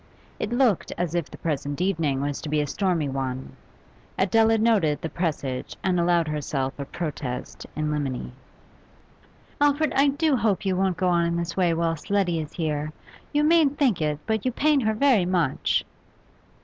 It looked as if the present evening was to be a stormy one. Adela noted the presage and allowed herself a protest in limine. 'Alfred, I do hope you won't go on in this way whilst Letty is here. You mayn't think it, but you pain her very much.